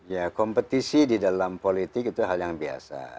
ya kompetisi di dalam politik itu hal yang biasa